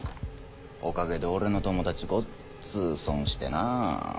おかげで俺の友達ごっつぅ損してなぁ。